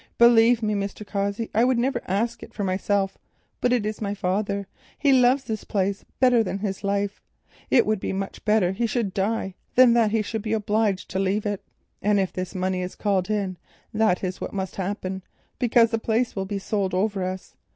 Believe me, Mr. Cossey, I would never ask it for myself, but it is for my father—he loves this place better than his life; it would be much better he should die than that he should be obliged to leave it; and if this money is called in, that is what must happen, because the place will be sold over us.